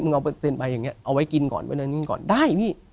มึงเอาเป็นเซ็นต์ใบอย่างเงี้ยเอาไว้กินก่อนเอาไว้กินก่อนได้พี่